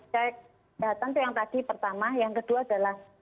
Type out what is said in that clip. cek kesehatan itu yang tadi pertama yang kedua adalah